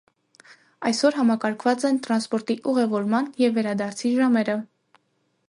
Այսօր համակարգված են տրանսպորտի ուղևորման և վերադարձի ժամերը։